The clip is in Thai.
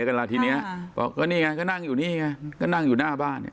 กันละทีเนี้ยค่ะบอกว่านี่ไงก็นั่งอยู่นี่ไงก็นั่งอยู่หน้าบ้าน